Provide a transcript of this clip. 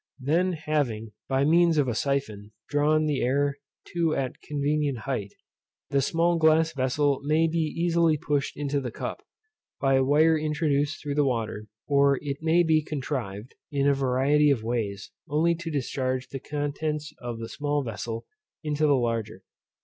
Then having, by means of a syphon, drawn the air to at convenient height, the small glass vessel may be easily pushed into the cup, by a wire introduced through the water; or it may be contrived, in a variety of ways, only to discharge the contents of the small vessel into the larger.